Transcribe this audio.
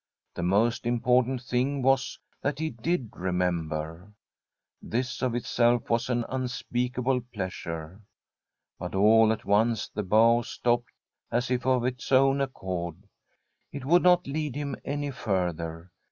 The most important thing was that he did remember. This of itself was an unspeakable pleasure. But all at once the bow stopped, as if of its own accord. It would not lead him any further.